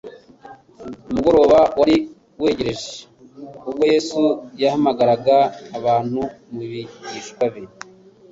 Umugoroba wari wegereje ubwo Yesu yahamagaraga batatu mu bigishwa be,